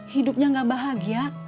hidupnya gak bahagia